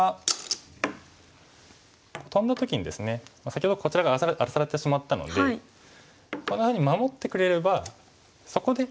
先ほどこちら側荒らされてしまったのでこんなふうに守ってくれればそこで。